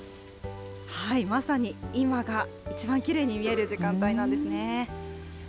まさに今が一番きれいに見える時間帯なんですね。